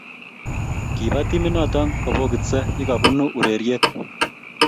kiba timit noto kabokitse ye kabunu ureryet